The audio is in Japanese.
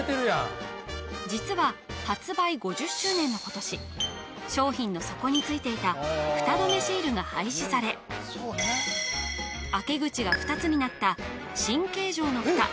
実は発売５０周年の今年商品の底についていたフタ止めシールが廃止され開け口が２つになった新形状のフタ